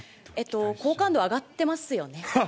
好感度、上がってますよね？